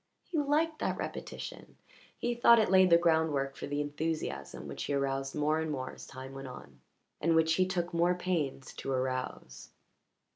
He liked that repetition; he thought it laid the groundwork for the enthusiasm which he aroused more and more as time went on, and which he took more pains to arouse.